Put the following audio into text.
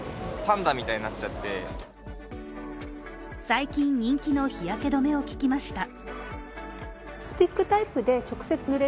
最近人気の日焼け止めを聞きました。